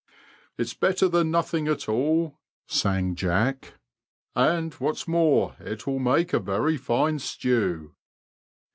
"It's better than nothing at all," sang Jack; and, what's more, it will make a very fine stew."